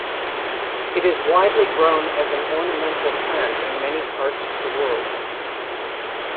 It is widely grown as an ornamental plant in many parts of the world.